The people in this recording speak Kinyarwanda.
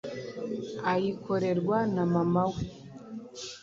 ayikorerwa na mama we